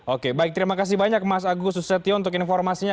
oke baik terima kasih banyak mas agus susetio untuk informasinya